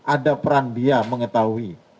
ada peran dia mengetahui